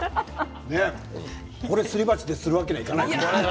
これをすり鉢でするわけにはいかないですね。